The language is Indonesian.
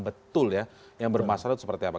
betul ya yang bermasalah seperti apa